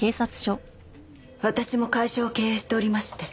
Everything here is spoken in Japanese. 私も会社を経営しておりまして。